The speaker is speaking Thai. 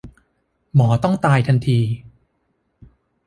หมอต้องตายทันที